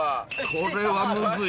これはむずい